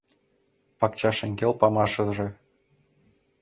Пакча шеҥгел памашыже